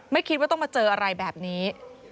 ไม่คิดว่าต้องมาเจออะไรแบบนี้